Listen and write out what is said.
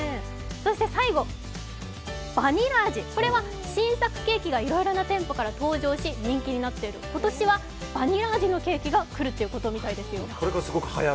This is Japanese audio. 最後、バニラ味、これは新作ケーキがいろいろな店舗から登場し、人気になっている、今年はバニラ味のケーキが来るということらしいですよ。